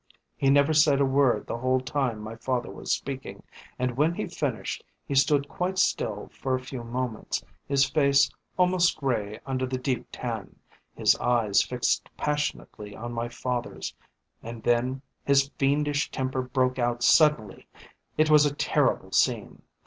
He never said a word the whole time my father was speaking, and when he finished he stood quite still for a few moments, his face almost grey under the deep tan, his eyes fixed passionately on my father's and then his fiendish temper broke out suddenly. It was a terrible scene.